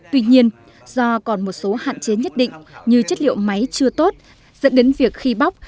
tuy nhiên do còn một số hạn chế nhất định như chất liệu máy chưa tốt dẫn đến việc khi bóc